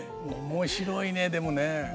面白いねでもね。